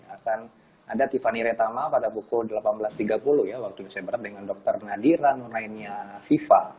akan ada tiffany retama pada pukul delapan belas tiga puluh waktu nusantara dengan dr nadira nurainya viva